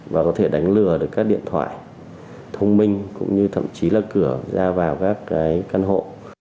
và có thể đánh lừa được các điện thoại thông minh cũng như thậm chí là cửa ra vào các căn hộ